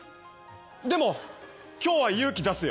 でも今日は勇気出すよ。